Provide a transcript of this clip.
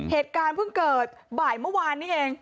เหตุการณ์เพิ่งเกิดบ่ายเมื่อวานนี้เอง